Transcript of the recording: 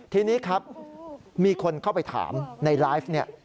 ทีนี้ครับมีคนเข้าไปถามในไลฟ์เนี่ย